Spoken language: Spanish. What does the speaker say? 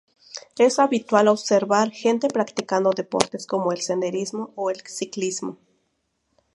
Es habitual observar gente practicando deportes como el senderismo o el ciclismo.